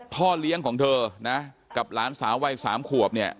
พ่อเลี้ยงของเธอนะกับหลานสาววัย๓ขวบเนี่ย